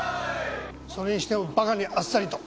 それにしてもバカにあっさりと。